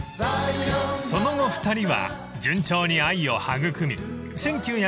［その後２人は順調に愛を育み］